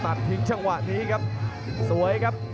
ทิ้งจังหวะนี้ครับสวยครับ